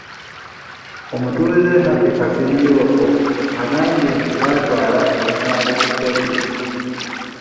Omutuuze Happy Kafiriyooko yagambye nti baatwala emisango ku poliisi.